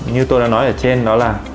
như tôi đã nói ở trên đó là